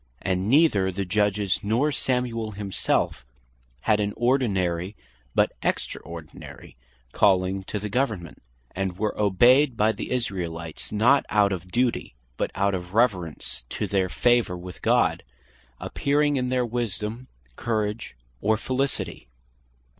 And neither the Judges, nor Samuel himselfe had an ordinary, but extraordinary calling to the Government; and were obeyed by the Israelites, not out of duty, but out of reverence to their favour with God, appearing in their wisdome, courage, or felicity.